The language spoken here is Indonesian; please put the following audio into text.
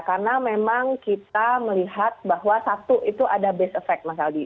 karena memang kita melihat bahwa satu itu ada base effect mas aldi